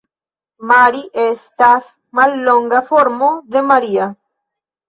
Mari estas mallonga formo de Maria.